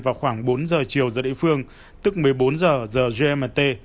vào khoảng bốn giờ chiều giờ địa phương tức một mươi bốn h giờ gmt